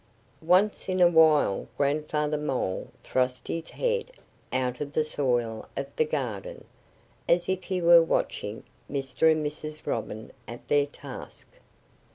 Once in a while Grandfather Mole thrust his head out of the soil of the garden, as if he were watching Mr. and Mrs. Robin at their task.